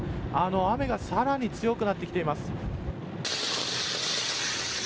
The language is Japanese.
雨がさらに強くなってきています。